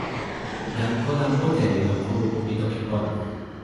jan pona mute li lon kulupu pi toki pona.